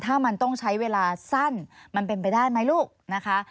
ถ้ามันต้องใช้เวลาสั้นมันเป็นไปได้ไหมลูกนะคะ